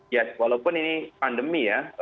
ya walaupun ini pandemi ya